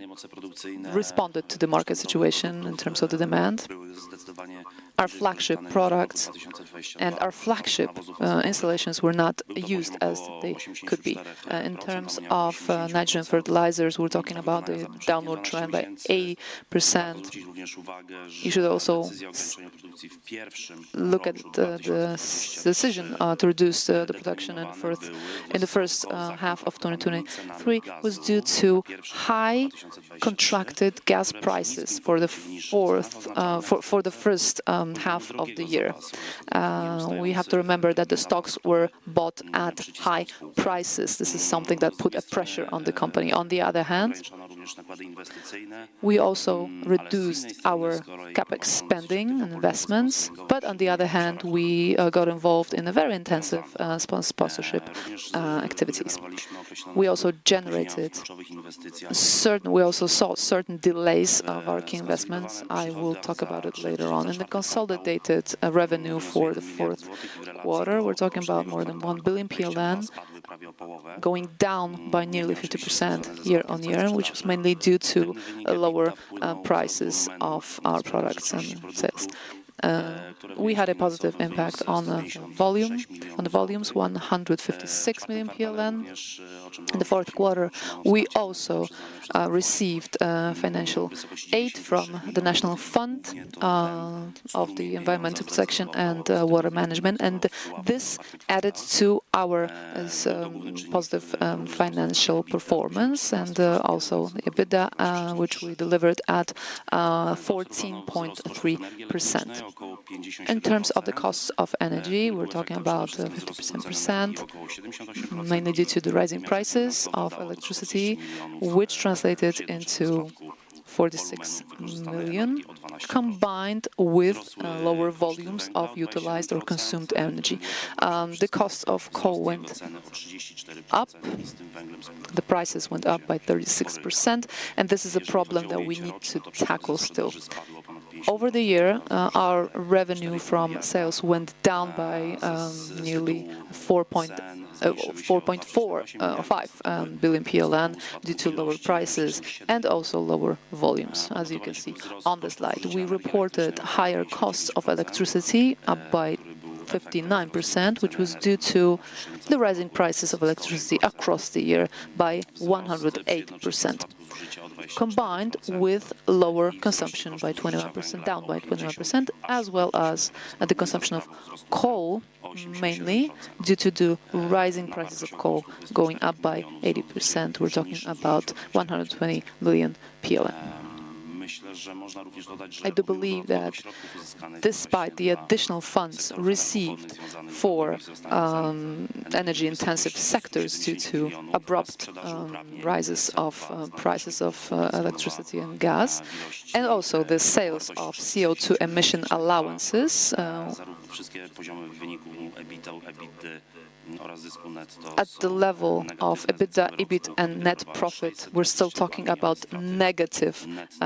responded to the market situation in terms of the demand. Our flagship products and our flagship installations were not used as they could be. In terms of nitrogen fertilizers, we're talking about a downward trend by 80%. You should also look at the decision to reduce the production in the first half of 2023, was due to high contracted gas prices for the first half of the year. We have to remember that the stocks were bought at high prices. This is something that put a pressure on the company. On the other hand, we also reduced our CapEx spending investments, but on the other hand, we got involved in a very intensive sponsorship activities. We also saw certain delays of our key investments. I will talk about it later on. In the consolidated revenue for the fourth quarter, we're talking about more than 1 billion PLN, going down by nearly 50% year-on-year, which was mainly due to lower prices of our products and services. We had a positive impact on the volume, on the volumes, 156 million PLN. In the fourth quarter, we also received financial aid from the National Fund for Environmental Protection and Water Management, and this added to our positive financial performance, and also EBITDA, which we delivered at 14.3%. In terms of the costs of energy, we're talking about 57%, mainly due to the rising prices of electricity, which translated into 46 million, combined with lower volumes of utilized or consumed energy. The cost of coal went up. The prices went up by 36%, and this is a problem that we need to tackle still. Over the year, our revenue from sales went down by nearly 4.45 billion PLN due to lower prices and also lower volumes as you can see on the slide. We reported higher costs of electricity, up by 59%, which was due to the rising prices of electricity across the year by 108%, combined with lower consumption by 21%, down by 21%, as well as the consumption of coal, mainly due to the rising prices of coal going up by 80%. We're talking 120 million I do believe that despite the additional funds received for energy-intensive sectors due to abrupt rises of prices of electricity and gas, and also the sales of CO2 emission allowances. At the level of EBITDA, EBIT, and net profit, we're still talking about negative results.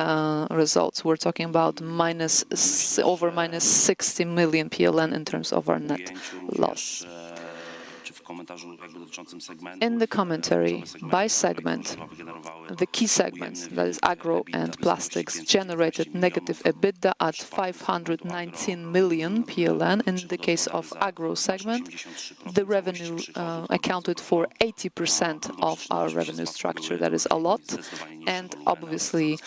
We're talking about minus 60 million PLN in terms of our net loss. In the commentary, by segment, the key segments, that is Agro and Plastics, generated negative EBITDA at 519 million PLN. In the case of Agro segment, the revenue accounted for 80% of our revenue structure. That is a lot, and obviously,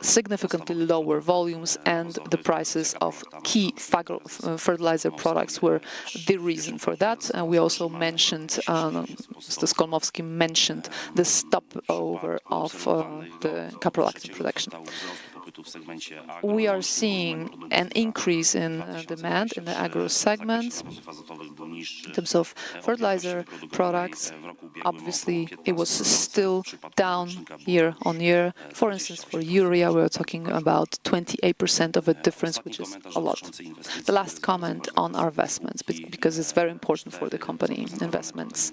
significantly lower volumes and the prices of key fertilizer products were the reason for that. And we also mentioned, Mr. Skolmowski mentioned the stoppage of the caprolactam production. We are seeing an increase in demand in the Agro segment. In terms of fertilizer products, obviously, it was still down year-on-year. For instance, for urea, we are talking about 28% of a difference, which is a lot. The last comment on our investments, because it's very important for the company, investments.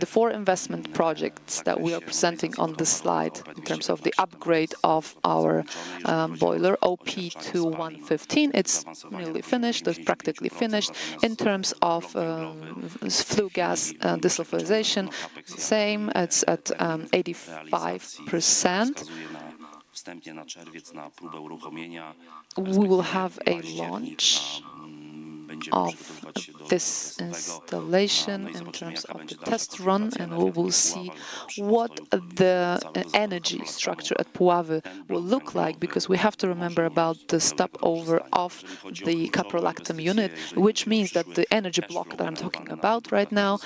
The four investment projects that we are presenting on this slide in terms of the upgrade of our boiler, OP-215, it's nearly finished. It's practically finished. In terms of flue gas desulfurization, same, it's at 85%. We will have a launch of this installation in terms of the test run, and we will see what the energy structure at Puławy will look like, because we have to remember about the step over of the caprolactam unit, which means that the energy block that I'm talking about right now,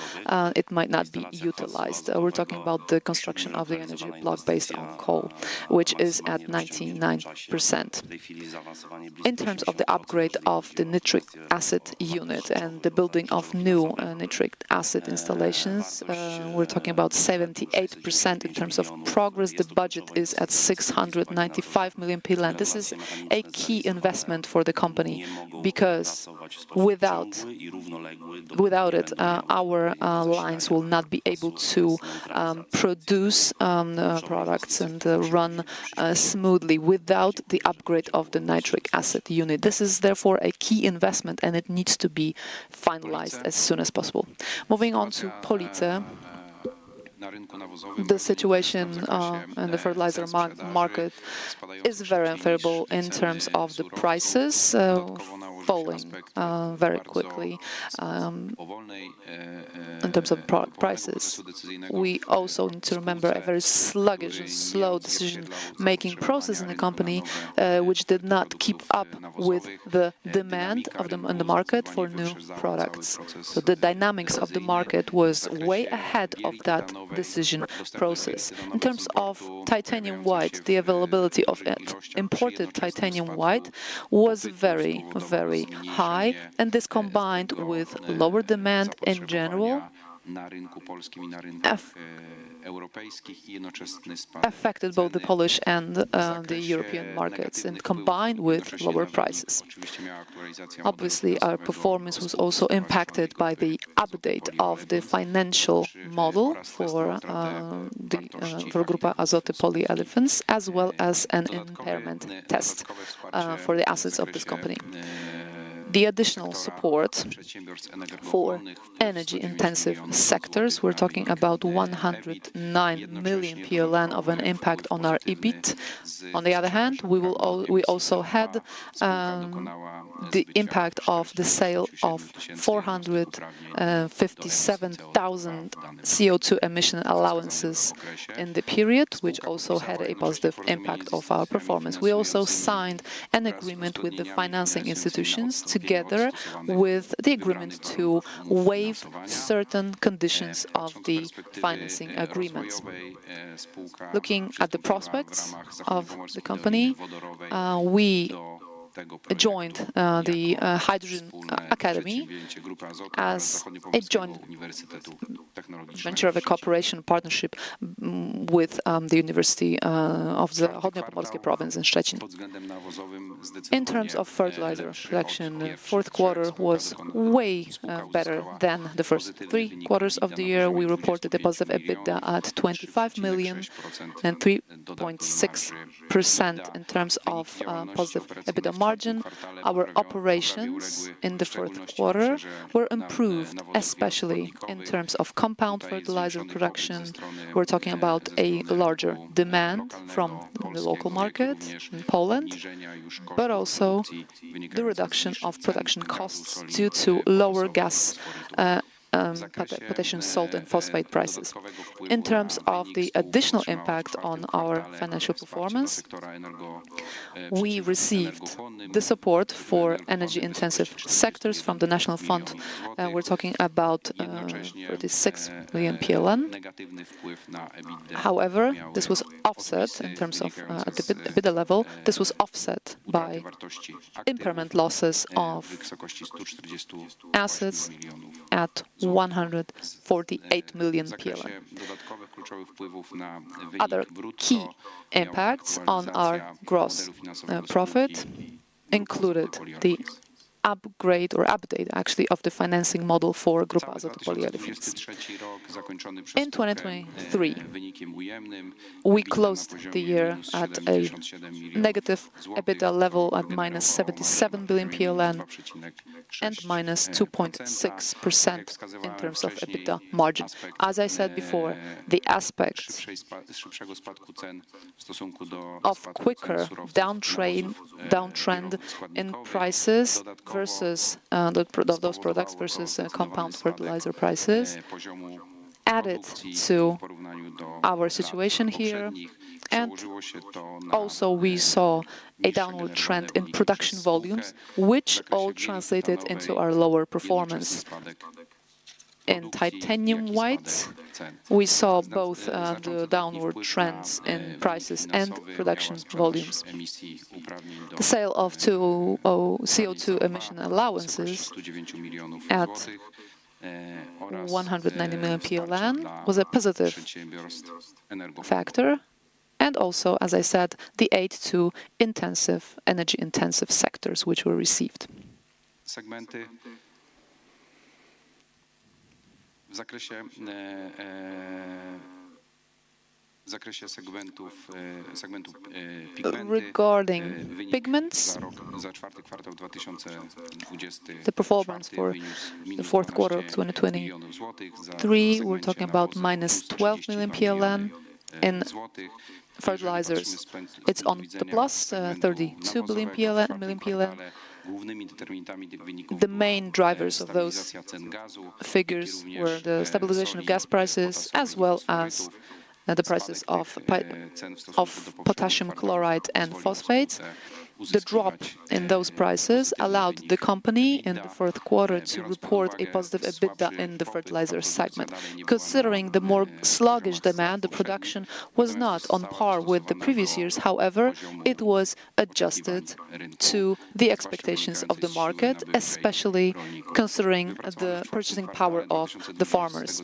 it might not be utilized. We're talking about the construction of the energy block based on coal, which is at 99%. In terms of the upgrade of the nitric acid unit and the building of new, nitric acid installations, we're talking about 78% in terms of progress. The budget is at 695 million PLN. This is a key investment for the company because without it, our lines will not be able to produce products and run smoothly without the upgrade of the nitric acid unit. This is therefore a key investment, and it needs to be finalized as soon as possible. Moving on to Police, the situation in the fertilizer market is very unfavorable in terms of the prices falling very quickly in terms of product prices. We also need to remember a very sluggish and slow decision-making process in the company, which did not keep up with the demand in the market for new products. So the dynamics of the market was way ahead of that decision process. In terms of titanium white, the availability of it, imported titanium white, was very, very high, and this combined with lower demand in general, affected both the Polish and the European markets, and combined with lower prices. Obviously, our performance was also impacted by the update of the financial model for Grupa Azoty Polyolefins, as well as an impairment test for the assets of this company. The additional support for energy-intensive sectors, we're talking about 109 million PLN of an impact on our EBIT. On the other hand, we also had the impact of the sale of 457 thousand CO2 emission allowances in the period, which also had a positive impact of our performance. We also signed an agreement with the financing institutions, together with the agreement to waive certain conditions of the financing agreements. Looking at the prospects of the company, we joined the Hydrogen Academy as a joint venture of a cooperation partnership with the West Pomeranian University of Technology in Szczecin. In terms of fertilizer production, the fourth quarter was way better than the first three quarters of the year. We reported a positive EBITDA at 25 million and 3.6% in terms of positive EBITDA margin. Our operations in the fourth quarter were improved, especially in terms of compound fertilizer production. We're talking about a larger demand from the local market in Poland, but also the reduction of production costs due to lower gas potassium salt and phosphate prices. In terms of the additional impact on our financial performance, we received the support for energy-intensive sectors from the National Fund, we're talking about 36 million PLN. However, this was offset in terms of the EBITDA level, this was offset by impairment losses of assets at 148 million PLN. Other key impacts on our gross profit included the upgrade or update, actually, of the financing model for Grupa Azoty Polyolefins. In 2023, we closed the year at a negative EBITDA level at minus 77 billion PLN and -2.6% in terms of EBITDA margin. As I said before, the aspects of quicker downtrend in prices versus the of those products versus compound fertilizer prices added to our situation here. And also we saw a downward trend in production volumes, which all translated into our lower performance. In titanium white, we saw both the downward trends in prices and production volumes. The sale of CO2 emission allowances at 190 million PLN was a positive factor, and also, as I said, the aid to intensive, energy-intensive sectors which were received. Regarding pigments, the performance for the fourth quarter of 2023, we're talking about -12 million PLN. In fertilizers, it's on the plus 32 million PLN. The main drivers of those figures were the stabilization of gas prices, as well as the prices of potassium chloride and phosphates. The drop in those prices allowed the company in the fourth quarter to report a positive EBITDA in the fertilizer segment. Considering the more sluggish demand, the production was not on par with the previous years. However, it was adjusted to the expectations of the market, especially considering the purchasing power of the farmers.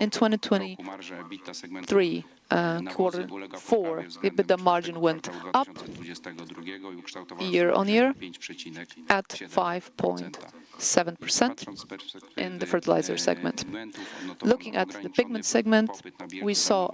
In 2023, quarter four, EBITDA margin went up year-over-year at 5.7% in the fertilizer segment. Looking at the pigment segment, we saw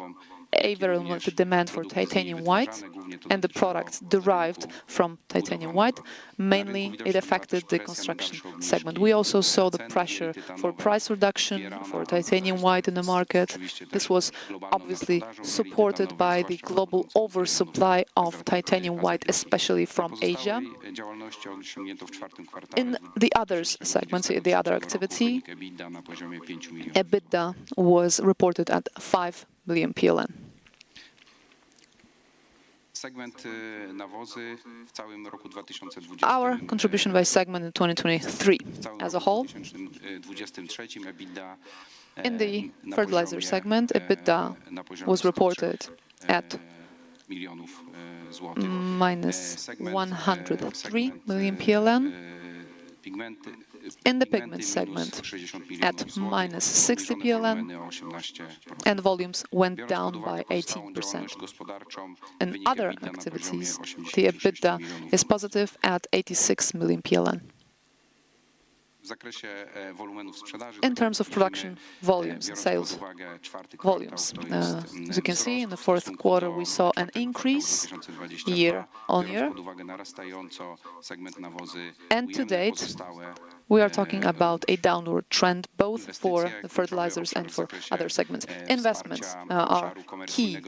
a very much demand for titanium white and the products derived from titanium white. Mainly, it affected the construction segment. We also saw the pressure for price reduction for titanium white in the market. This was obviously supported by the global oversupply of titanium white, especially from Asia. In the others segments, the other activity, EBITDA was reported at 5 million PLN. Our contribution by segment in 2023 as a whole, in the fertilizer segment, EBITDA was reported at -103 million PLN. In the pigment segment, at -60 PLN, and volumes went down by 18%. In other activities, the EBITDA is positive at PLN 86 million. In terms of production volumes, sales volumes, as you can see, in the fourth quarter, we saw an increase year-on-year. To date, we are talking about a downward trend, both for the fertilizers and for other segments. Investments are key,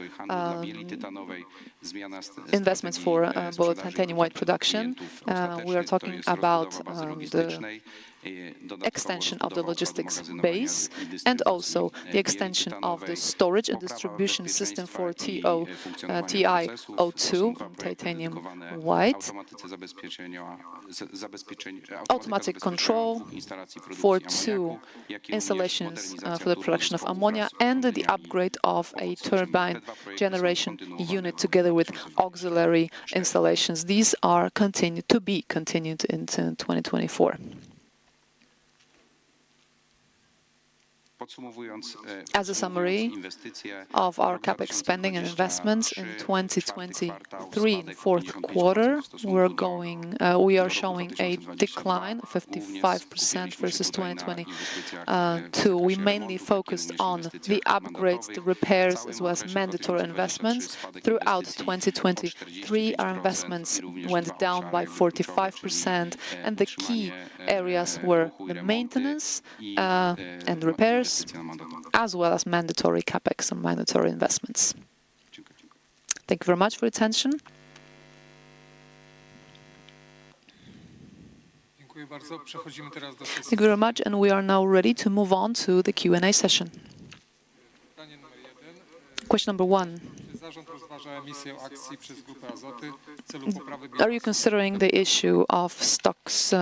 investments for both titanium white production, we are talking about the extension of the logistics base and also the extension of the storage and distribution system for TiO2, titanium white. Automatic control for 2 installations for the production of ammonia and the upgrade of a turbine generation unit together with auxiliary installations. These are continued to be continued into 2024. As a summary of our CapEx spending and investments in 2023, fourth quarter, we're going, we are showing a decline of 55% versus 2022. We mainly focused on the upgrades, the repairs, as well as mandatory investments. Throughout 2023, our investments went down by 45%, and the key areas were the maintenance, and repairs, as well as mandatory CapEx and mandatory investments. Thank you very much for your attention. Thank you very much, and we are now ready to move on to the Q&A session. Question number 1, are you considering the issue of stocks,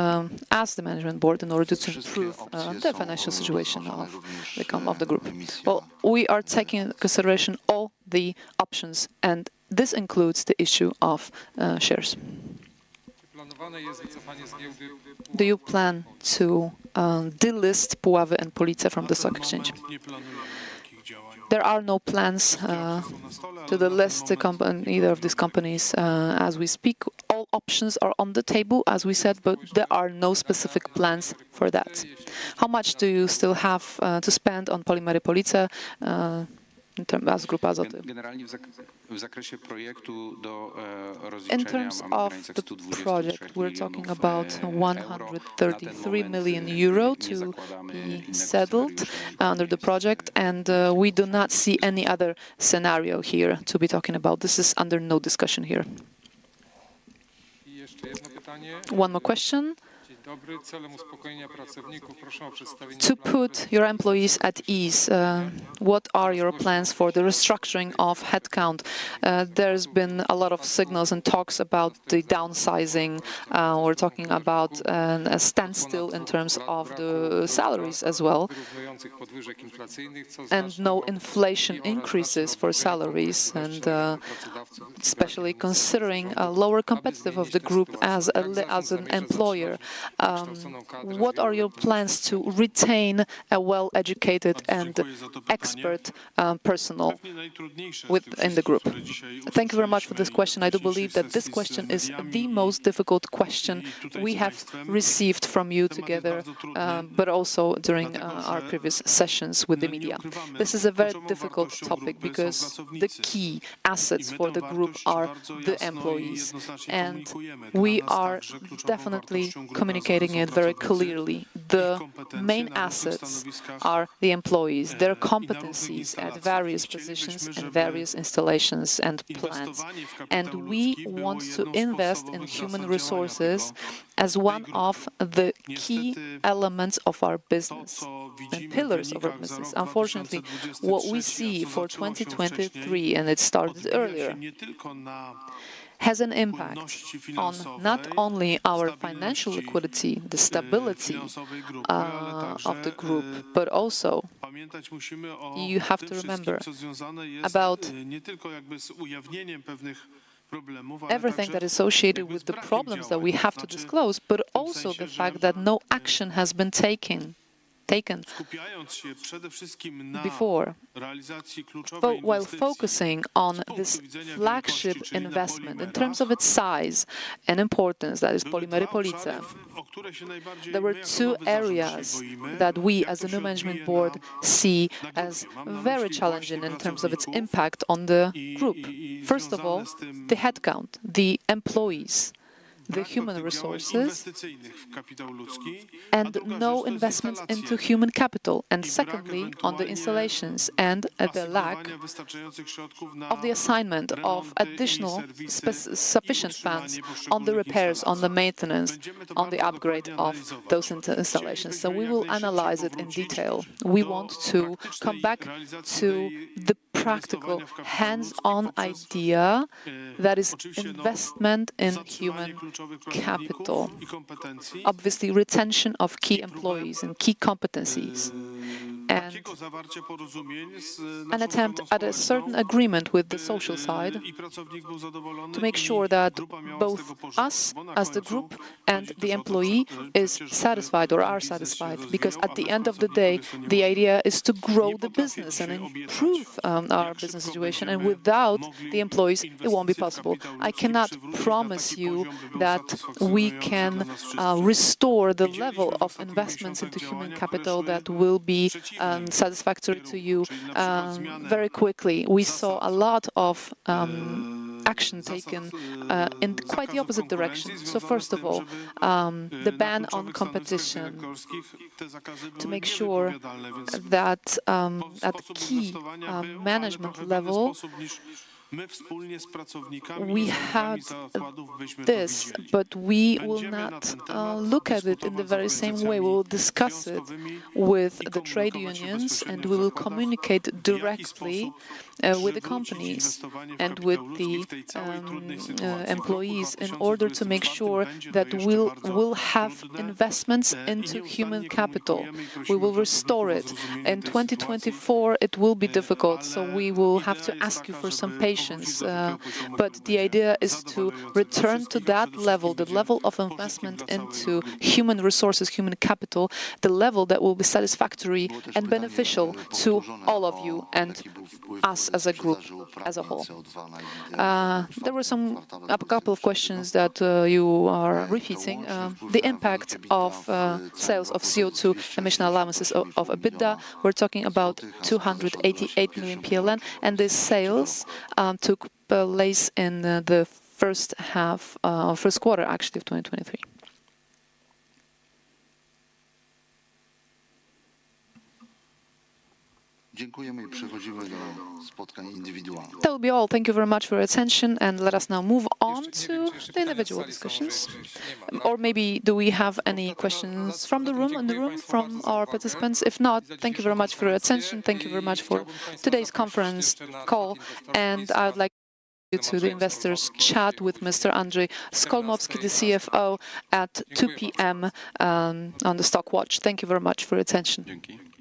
as the management board in order to improve, the financial situation of the company of the group? Well, we are taking into consideration all the options, and this includes the issue of shares. Do you plan to delist Puławy and Police from the stock exchange? There are no plans to delist the company, either of these companies, as we speak. All options are on the table, as we said, but there are no specific plans for that. How much do you still have to spend on Polimery Police in terms as Grupa Azoty? In terms of the project, we're talking about 133 million euro to be settled under the project, and we do not see any other scenario here to be talking about. This is under no discussion here. One more question. To put your employees at ease, what are your plans for the restructuring of headcount? There's been a lot of signals and talks about the downsizing. We're talking about a standstill in terms of the salaries as well, and no inflation increases for salaries, and especially considering a lower competitiveness of the group as an employer. What are your plans to retain a well-educated and expert personnel within the group? Thank you very much for this question. I do believe that this question is the most difficult question we have received from you together, but also during our previous sessions with the media. This is a very difficult topic, because the key assets for the group are the employees, and we are definitely communicating it very clearly. The main assets are the employees, their competencies at various positions and various installations and plants. We want to invest in human resources as one of the key elements of our business and pillars of our business. Unfortunately, what we see for 2023, and it started earlier, has an impact on not only our financial liquidity, the stability of the group, but also you have to remember about everything that is associated with the problems that we have to disclose, but also the fact that no action has been taken before. But while focusing on this flagship investment in terms of its size and importance, that is Polimery Police, there were two areas that we, as a new management board, see as very challenging in terms of its impact on the group. First of all, the headcount, the employees, the human resources, and no investment into human capital, and secondly, on the installations and at the lack of the assignment of additional sufficient funds on the repairs, on the maintenance, on the upgrade of those installations. We will analyze it in detail. We want to come back to the practical hands-on idea, that is investment in human capital. Obviously, retention of key employees and key competencies, and an attempt at a certain agreement with the social side to make sure that both us, as the group, and the employee is satisfied or are satisfied. Because at the end of the day, the idea is to grow the business and improve our business situation, and without the employees, it won't be possible. I cannot promise you that we can restore the level of investments into human capital that will be satisfactory to you very quickly. We saw a lot of action taken in quite the opposite direction. First of all, the ban on competition, to make sure that, at the key management level, we have this, but we will not look at it in the very same way. We will discuss it with the trade unions, and we will communicate directly with the companies and with the employees in order to make sure that we'll have investments into human capital. We will restore it. In 2024, it will be difficult, so we will have to ask you for some patience. But the idea is to return to that level, the level of investment into human resources, human capital, the level that will be satisfactory and beneficial to all of you and us as a group, as a whole. There were a couple of questions that you are repeating. The impact of sales of CO2 emission allowances of EBITDA, we're talking about 288 million PLN, and the sales took place in the first quarter, actually, of 2023.That will be all. Thank you very much for your attention, and let us now move on to the individual discussions. Or maybe do we have any questions from the room, in the room from our participants? If not, thank you very much for your attention. Thank you very much for today's conference call, and I'd like to take you to the investors chat with Mr. Andrzej Skolmowski, the CFO, at 2 P.M. on the StockWatch. Thank you very much for your attention.